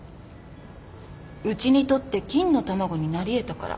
うちにとって金の卵になり得たから